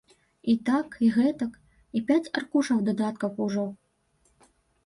І так, і гэтак, і пяць аркушаў дадаткаў ужо!